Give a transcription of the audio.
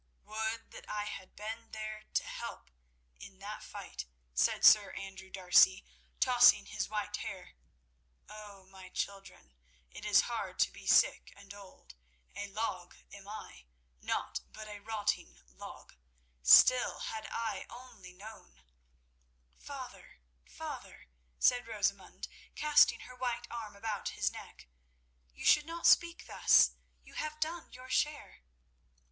"Would that I had been there to help in that fight," said Sir Andrew D'Arcy, tossing his white hair. "Oh, my children, it is hard to be sick and old. A log am I—naught but a rotting log. Still, had I only known—" "Father, father," said Rosamund, casting her white arm about his neck. "You should not speak thus. You have done your share."